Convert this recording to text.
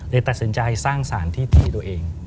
ตัดสินใจสร้างสารที่ตีตัวเอง